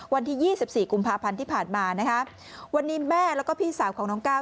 วันที่๒๔กุมภาพันธ์ที่ผ่านมาวันนี้แม่และพี่สาวของน้องก้าว